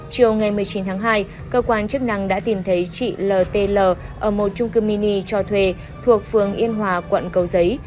chiều ngày một mươi chín tháng hai cơ quan chức năng đã tìm thấy chị ltl ở một trung cư mini cho thuê thuộc phường yên hòa quận cầu giấy